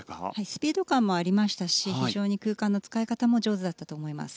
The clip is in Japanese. スピード感もありましたし非常に空間の使い方も上手だったと思います。